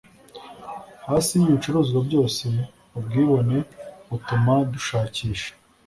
hasi yibicuruzwa byose ubwibone butuma dushakisha